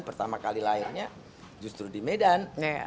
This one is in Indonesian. pertama kali lahirnya justru di medan